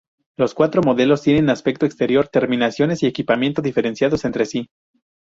Los cuatro modelos tienen aspecto exterior, terminaciones y equipamiento diferenciados entre sí.